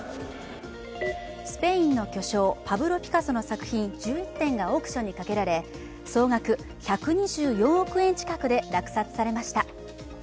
スペインの巨匠パブロ・ピカソの作品１１点がオークションにかけられ、総額１２４億近くで落札されました。